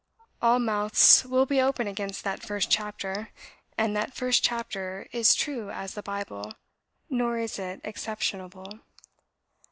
All mouths will be open against that first chapter; and that first chapter is true as the Bible, nor is it exceptionable.